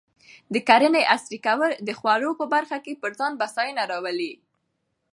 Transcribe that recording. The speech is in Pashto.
د کرنې عصري کول د خوړو په برخه کې پر ځان بسیاینه راولي.